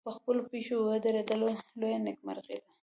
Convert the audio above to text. په خپلو پښو ودرېدل لویه نېکمرغي ده.